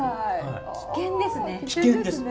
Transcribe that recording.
危険ですね。